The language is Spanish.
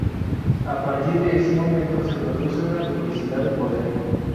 A partir de ese momento se produce una duplicidad de poder.